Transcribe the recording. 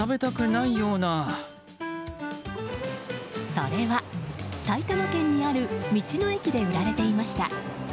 それは、埼玉県にある道の駅で売られていました。